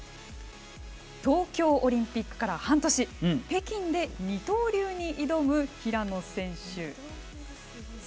東京オリンピックから半年北京で二刀流に挑む平野選手。